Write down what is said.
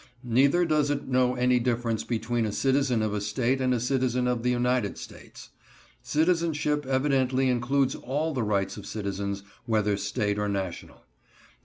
Neither does it know any difference between a citizen of a State and a citizen of the United States. Citizenship evidently includes all the rights of citizens, whether State or national.